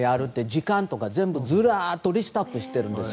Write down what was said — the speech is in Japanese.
時間とか全部ずらっとリストアップしているんです。